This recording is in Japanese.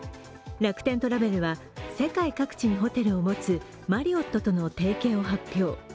楽天トラベルは世界各地にホテルを持つマリオットとの提携を発表。